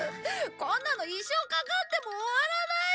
こんなの一生かかっても終わらないよ！